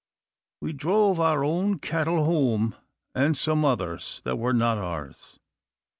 "We drove our own cattle home, and perhaps some others that were not ours.